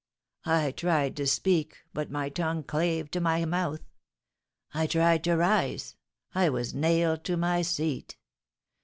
I tried to speak, but my tongue clave to my mouth; I tried to rise, I was nailed to my seat.